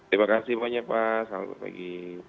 terima kasih semoga berhasil pak selamat pagi